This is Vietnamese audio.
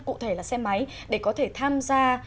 cụ thể là xe máy để có thể tham gia